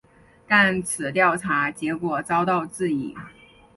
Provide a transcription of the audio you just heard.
但此调查结果遭到质疑。